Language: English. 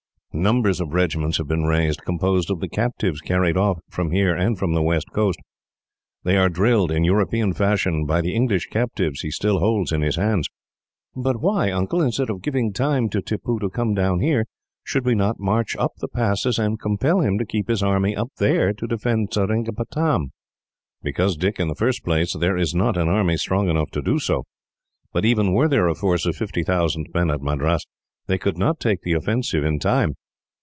Numbers of regiments have been raised, composed of the captives carried off from here and from the west coast. They are drilled, in European fashion, by the English captives he still holds in his hands." "But why, Uncle, instead of giving time to Tippoo to come down here, should we not march up the passes, and compel him to keep his army up there to defend Seringapatam?" "Because, Dick, in the first place, there is not an army strong enough to do so; but even were there a force of fifty thousand men at Madras, they could not take the offensive in time.